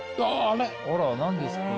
あら何ですか？